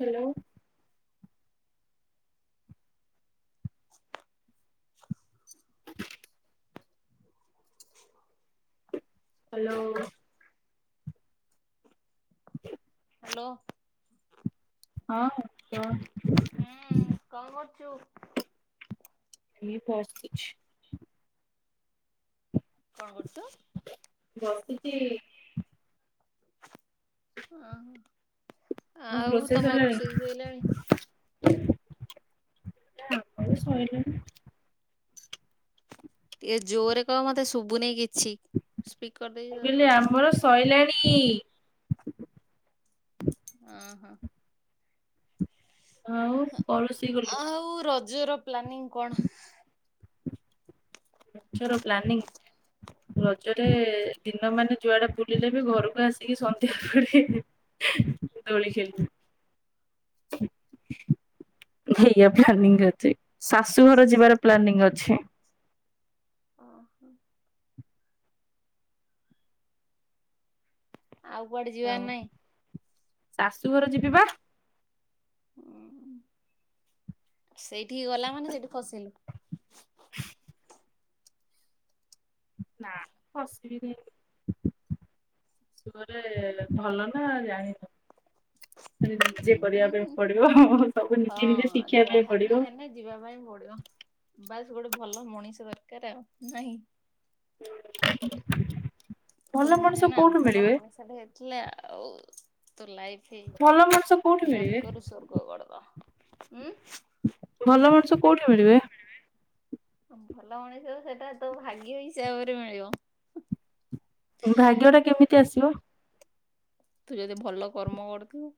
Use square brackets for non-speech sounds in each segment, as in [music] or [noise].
Hello. Hello. [inaudible] Hello. ହଁ ହୁଁ କଁ କରୁଚୁ? ଏଇ ବସିଛି। କଁ କରୁଚୁ? ବସିଚି। ଓହୋ ଆଉ ରୋଷେଇ ତମର ସରିଲାଣି? ରୋଷେଇ ସଇଲାଣି? ଆମର ସଇଲାଣି। ଟିକେ ଜୋରେ କହ ମତେ ଶୁବୁନେଇ କିଛି? ସ୍ପିକର ଦେଇକି ମୁଁ ର କହିଲି ଶୁଭୁନି ଆମର ସଇଲାଣି। ଅଁହଁ। ଆଉ ପଳୋଶୀ ଗଲୁ। ଆଉ ରଜର ପ୍ଲାନିଂ କଣ? ରଜର ପ୍ଲାନିଂ ରଜରେ ଦିନ ମାନେ ଯୁଆଡ଼େ ବୁ ବୁଲିଲେବି ଘରକୁ ଆସିକି ସନ୍ଧ୍ୟା ପରେ ଦୋଳି ଖେଳୁ। ଏଇୟା ପ୍ଲାନିଂ ଅଛି। ଶାଶୁ ଘର ଯିବାର ପ୍ଲାନିଂ ଅଛି। ଓହୋ। ଆଉ କୁଆଡ଼େ ଯିବାର ନାହିଁ? ଶାଶୁ ଘର ଯିବିବା। ହୁଁ ସେଇଠିକି ଗଲା ମାନେ ସେଇଠି ଖସିଲୁ। ନା ଫସିବିନି। ଶାଶୁ ଘରେ ଭଲନା ଜାଣିନୁ? ହେଟି ନିଜେ କରିବା ପାଇଁ ହୁଁ ପଡ଼ିବ ହଁ ହଁ ସବୁ ନିଜେ ହଁ ନିଜେ ଶିଖିବା ପାଇଁ ଯାହାବି ପଡ଼ିବ। ହେଲେ ଯିବା ପାଇଁ ପଡିବ। ବାସ୍ ଗୋଟେ ଭଲ ମଣିଷ ଦରକାର୍ ଆଉ ନାହିଁ? ହୁଁ। କୁହନ୍ତିନିନା ଭଲ ମଣିଷଟେ ହେ ଥିଲା ଆଉତୋ ଲାଇଫି ଭଲ ମଣିଷ କୋଉଠି ମିଳିବେ? ନର୍କରୁ ସ୍ୱର୍ଗ [unintelligible] ଉଁ। ଭଲ ମଣିଷ କୋଉଠି ମିଳିବେ? ଭଲ ମଣିଷ ସେଟାତୋ ଭାଗ୍ୟ ହିସାବରେ ମିଳିବ। ଭାଗ୍ୟଟା କେମିତି ଆସିବ? ତୁଯେଦି ଭଲ କର୍ମ କରୁଥିବୁ।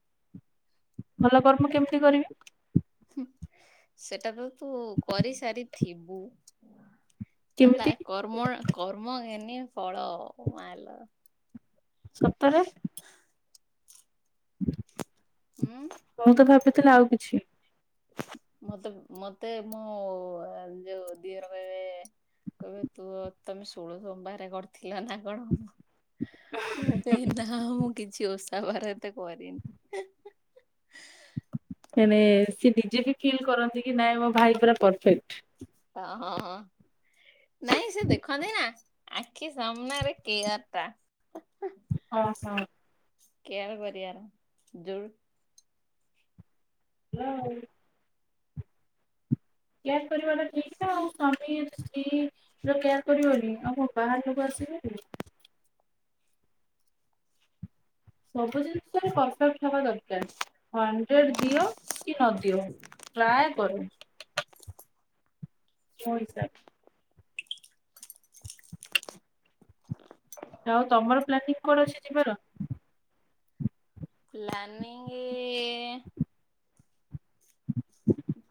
ଭଲ କର୍ମ କେମିତି କରିବି? ହୁଁ ସେଟାତ ତୁ କରିସାରିଥିବୁ। ହେଲା କେମିତି କର୍ମଣ କର୍ମ ଘେନି ଫଳ ମାଲୋ। ସତରେ? [inaudible] ଉଁ। ମୁଁତ ଭାବିଥିଲି ଆଉ କିଛି। ମତେ ମତେ ମୋ ଯୋଉ ଦିଅର କହିବେ କହିବେ ତୁ ତମେ ସୋଳ ସୋମବାରେ କରିଥିଲନା କଣ? ମୁଁ କହିଁନା ମୁଁ କିଛି ଓଷା ବାର ଏତେ କରିନି। ହେନେ ସିଏ ନିଜେବି ଫିଲ୍ କରନ୍ତିକି ନାଇଁ ମୋ ଭାଇ ପୁରା ପରଫେକ୍ଟ। ହ ହଁ ହଁ ନାଇଁ ସେ ଦେଖନ୍ତି ନା। ଆଖି ସାମ୍ନା ରେ କେୟାର ଟା। ଅ ହଁ। କେୟାର କରିବାର ଯୋଉ ହେଲା ଆଉ। କେୟାର କରିବାଟା ଠିକ୍ ନା ଆଉ ସ୍ୱାମୀ ସ୍ତ୍ରୀ ର କେୟାର କରିବନି ଆଉ କଣ ବାହାର ଲୋକ ଆସିବେ କି? ସବୁ ଜିନିଷ ପରଫେକ୍ଟ ହବା ଦରକାର। ହଣ୍ଡ୍ରେଡ଼୍ ଦିଅ କି ନ ଦିଅ ଟ୍ରାଏ କରମ୍। Who is that? ଆଉ ତମର ପ୍ଲାନିଂ କଣ ଅଛି ଯିବାର? ପ୍ଲାନିଂ ଏ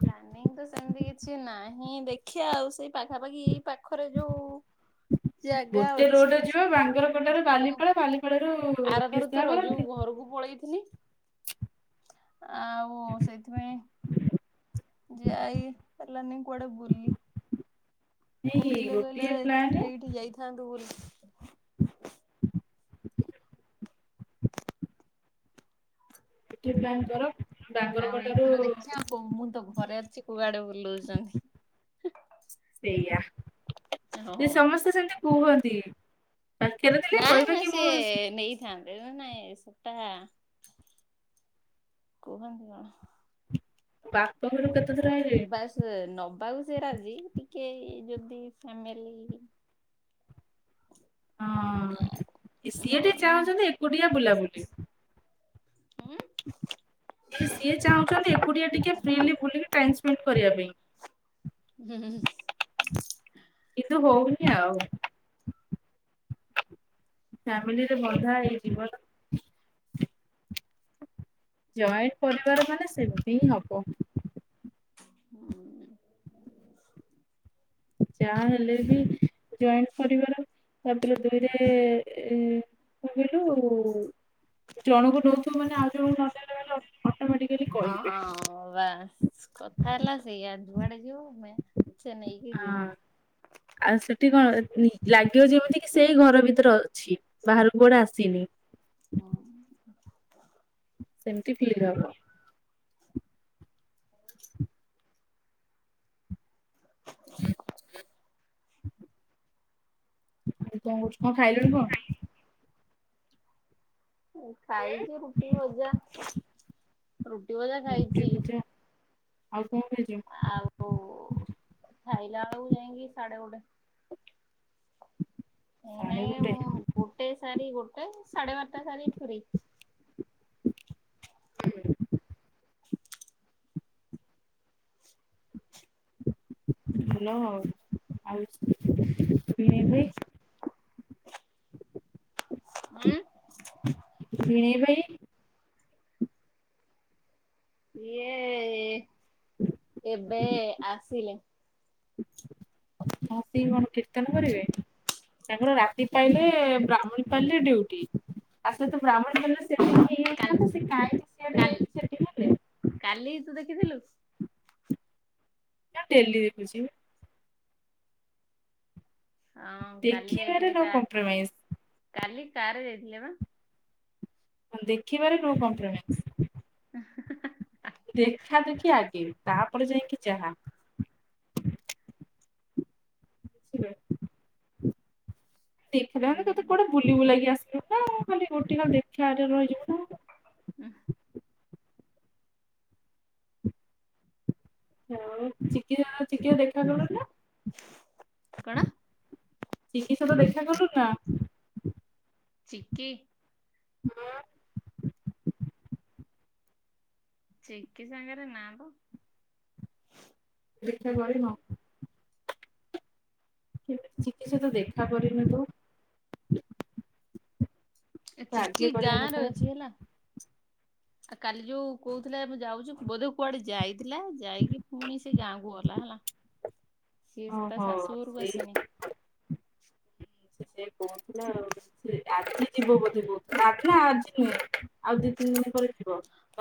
ପ୍ଲାନିଂ ତ ସେମତି କିଛି ନାହିଁ ଦେଖିଆ ଆଉ ସେଇ ପାଖାପାଖି ଏଇ ପା ଖରେ ଯୋଉ ଜାଗା ଗୋଟେ ଅଛି ରୋଡରେ ଯିବା ଦେଖିକିରି ବୁଲି ବାଙ୍ଗରପଟାରୁ ଯିବୁ ଆଉ ବାଲିପାଳ ବାଲିପାଳରୁ ଆର ଥର ତ କେନ୍ଦ୍ରାପଡା ରଜୁ କୁ ଘରୁକୁ ପଳେଇଥିଲି। ଆଉ ସେଇଥିପାଇଁ ଯାଇ ପାରିଲାନି କୁଆଡେ ବୁଲି? ଏଇ କୋଉଥିଲେ ଗୋଟିଏ କହିଲେ ପ୍ଲାନ ଥିଲେ ଏଇଠି ଯାଇଥାନ୍ତୁ ବୁଲି। ହ [unintelligible] [unintelligible] ଏଠି ପ୍ଲାନ୍ କର ଡାଙ୍ଗର କଟାରୁ କହୁନୁ ମୁଁ ତ ଘରେ ଅଛି କୁଆଡେ ବୁଲୁଛନ୍ତି? ସେଇଆ ହଁ ସେ ସମସ୍ତେ ସେମିତି କୁହନ୍ତି। ପାଖରେ ଥିଲେ ନା କହିବେ ନା କି ମୁଁ ସିଏ ନେଇଥାନ୍ତେ ଏ ନାଇଁ ସେଟା କୁହନ୍ତୁ କଣ? ବାପଘରୁ କେତେଥର ଆଇଲେଣି? ୟେ ନବାକୁ ସେ ରାଜି ଟିକେ ଯଦି ଫ୍ୟାମେଲି ହ [unintelligible] ହଁ ସିଏ ଟିକେ ନାହିଁ ଚାହୁଁଛନ୍ତି ଏକୁଟିଆ ବୁଲାବୁଲି। ଉଁ ସିଏ ଚାହୁଁଛନ୍ତି ଏକୁଟିଆ ଟିକେ ଫ୍ରିଲି ବୁଲିକି ଟାଇମ୍ ସ୍ପେଣ୍ଡ୍ କରିବା ପାଇଁ ହେଁ ହେଁ ଏସ୍ କିନ୍ତୁ ହୋଉନି ଆଉ। ଫ୍ୟାମିଲିରେ ବନ୍ଧା ଏଇ ଜୀବନ। ଜଏଣ୍ଟ ପରିବାର ମାନେ ସେମିତି ହିଁ ହବ। ହୁଁ ଉଁ ଯାହାହେଲେ ବି ଜଏଣ୍ଟ୍ ପରିବାର ତାପରେ ଦୁଇରେ ଏ କଁ କଇଲୁ ଜଣଙ୍କୁ ଦୋଉଥୁବୁ ମାନେ ଆଉ ଜଣଙ୍କୁ ନଦେଲେ ଅଂହାଁ ବାସ୍ କଥା ହେଲା ସେଇଆ ଯୁଆଡେ ଯିବୁ ମେଞ୍ଚେନେଇକି ଯିବୁ। ହଁ ଆଉ ସେଠି କଣ ଲାଗିବ ଯେମିତି କି ସେଇ ଘର ଭିତରେ ଅଛି ବାହାରୁକୁ କୁଆଡେ ଆସିନି। ହଁ। ସେମିତି ଫିଲ୍ ହବ। ହ [unintelligible] ତୁ କଣ କରଛୁ? କଣ ଖାଇଲୁଣି କଣ? ମୁଁ ଖାଇଚି ରୁଟି, ଭଜା। ରୁଟି, ଭଜା ରୁଟି ଖାଇଚି। ଭଜା ଆଉ କଣ ଖାଇଚୁ? ଆଉ ଖାଇଲା ବେଳକୁ ଯାଇକି ସାଡେ ଗୋଟେ। ଏଇ ସାଢେ ନାଇଁ ଗୋଟେ ଆଉ ଗୋଟେ ସାରି ଗୋଟେ ସାଡେ ବାରଟା ଛାଡିକି କୋଉଠିକି? ହୁଁ। ହାଲୋ ଆଉ [inaudible] ଭିଣେଇ ଭାଇ। ଉଁ ଭିଣେଇ ଭାଇ ଇଏ ଏବେ ଆସିଲେ। [unintelligible] କଣ କୀର୍ତ୍ତନ କରିବେ? ତାଙ୍କର ରାତି ପାଇଲେ ବ୍ରାହ୍ମଣୀପାଲ୍ ରେ ଡିଉଟି। ଆସିଲେ ତ ବ୍ରାହ୍ମଣୀପାଲରେ ସେଠି [inaudible] କାଲି ହେଇଯାଇଥାନ୍ତା, ସେ କାହିଁକି ସିଆଡେ ଯାଇକି ସେଠି ହେଲେ? କାଲିି ତୁ ଦେଖିଥିଲୁ? ଡେଲି ଦେଖୁଛି। ଆଉଁ କାଲି ଦେଖିବାରେ ଯାଇଥିଲେ ନୋ କା- କମ୍ପ୍ରମାଇଜ। କାଲି କାର୍ ରେ ଯାଇଥିଲେ ବା। ହଁ ଦେଖିବାରେ ନୋ କମ୍ପ୍ରୋମାଇସ୍। ହଁ [unintelligible] ଦେଖା ଦେଖି ଆଗେ ତାପରେ ଯାଇକି ଯାହା। ଦେଖାଯାଉନି ତୋତେ କୁଆଡେ ଉଁ ବୁଲିବୁଲାକି ଆସିଲୁ ନା ଖାଲି ଗୁଟିନ ଦେଖା ରେ ରହିଯିବୁ ନା ଉହୁଁ, ଆଉ ଚିକି ଜଣ ଚିକିକୁ ଦେଖାକଲ ନା? କଣ? ଚିକି ସହିତ ଦେଖା କଲୁ ନା? ଚିକି? ହଁ। ଚିକି ସାଙ୍ଗରେ ନା ତ। ଦେଖା କରିନ? କେମିତି ଚିକି ସହିତ ଦେଖା କରିନୁ ତୁ? ଏ ତତେ ଚିକି ଆଗେ କରିବା ଗାଁରେ କଥା ଅଛି ହେଲା। ଆଉ କାଲି ଯୋଉ କହୁଥିଲା ମୁଁ ଯାଉଚୁ, ବୋଧେ କୁଆଡେ ଯାଇ ଥିଲା ଯାଇକି ପୁଣି ସେ ଗାଁକୁ ଗଲା ହେଲା, ସିଏ ତା ଓହୋ ଶାଶୁଘରକୁ ସେଇ ଆସିନି। [inaudible] ସେଥିପାଇଁ କହୁଥିଲା ଆଉ। ସେ ଆଜି ଯିବ ବୋଧେ କହୁଥିଲା, ନା ନା ଆଜି ନୁହେଁ ଆଉ ଦି ତିନି ଦିନ ପରେ ଯି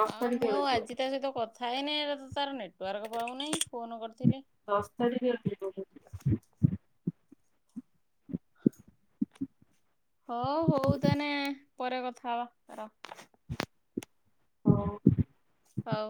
ହଁ ମୁଁ ଆଉ ଆଜି ତା ସହିତ କଥା ହେଇନି, ଏକରେ ତ ତାର ନେଟୱାର୍କ ପାଉନାହିଁ, ଫୋନ୍ କରିଥିଲେ। ଦଶ ତାରିଖରେ ଯିଵ ବୋ ହଁ। ହୋ ହଉ ତାନେ ପରେ କଥା ହବା ରଅ। ହଉ। ହଉ।